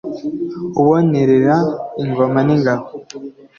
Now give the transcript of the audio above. ubonerera ingoma n'ingabo,